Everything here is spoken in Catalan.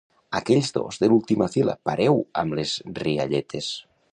Aquells dos de l'última fila, pareu amb les rialletes!